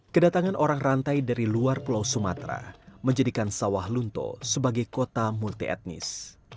kedatangan orang rantai dari luar pulau sumatera menjadikan sawah lunto sebagai kota multi etnis